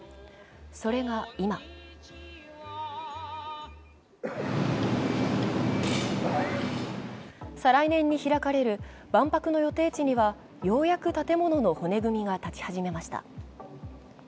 それが今再来年に開かれる万博の予定地にはようやく建物の骨組みが建ち始めました。